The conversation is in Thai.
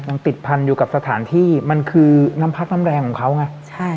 มันติดพันอยู่กับสถานที่มันคือน้ำพักน้ำแรงของเขาไงใช่